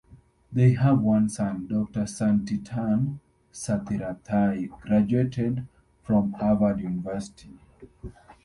They have one son, Doctor Santitarn Sathirathai, graduated from Harvard University.